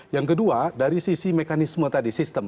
yang kedua dari sisi mekanisme tadi sistem